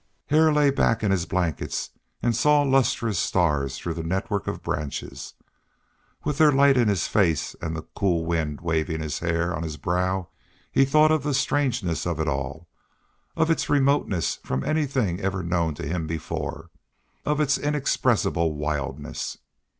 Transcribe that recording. Hare lay back in his blankets and saw lustrous stars through the network of branches. With their light in his face and the cold wind waving his hair on his brow he thought of the strangeness of it all, of its remoteness from anything ever known to him before, of its inexpressible wildness.